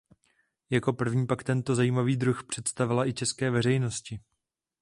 Jako první pak tento zajímavý druh představila i české veřejnosti.